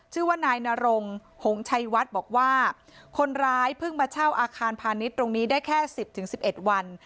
ชื่อว่านายนรงหงชัยวัดบอกว่าคนร้ายเพิ่งมาเช่าอาคารพาณิชย์ตรงนี้ได้แค่๑๐๑๑วัน